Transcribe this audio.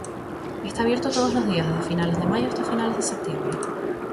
Está abierto todos los días, desde finales de mayo hasta finales de septiembre.